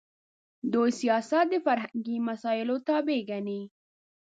دوی سیاست د فرهنګي مسایلو تابع ګڼي.